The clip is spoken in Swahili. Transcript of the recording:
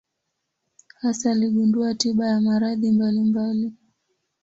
Hasa aligundua tiba ya maradhi mbalimbali.